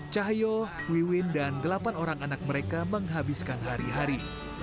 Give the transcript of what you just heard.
cahyo wiwin dan delapan orang anak mereka menghabiskan hari hari